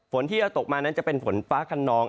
ฝนที่จะตกมานั้นจะเป็นฝนฟ้าขนอง